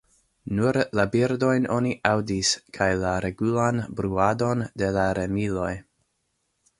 Nur la birdojn oni aŭdis kaj la regulan bruadon de la remiloj.